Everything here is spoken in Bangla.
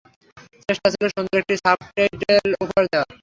চেষ্টা ছিল সুন্দর একটি সাবটাইটেল উপহার দেয়ার।